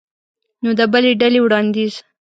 نو د بلې ډلې وړاندیز